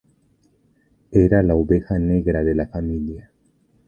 Era la oveja negra de la familia.